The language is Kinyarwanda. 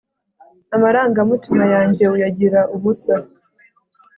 Amarangamutima yanjye Uyagira ubusa